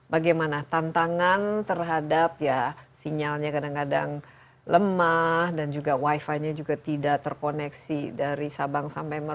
bagaimana tantangan terhadap ya sinyalnya kadang kadang lemah dan juga wifi nya juga tidak terkoneksi dari sabang sampai merauke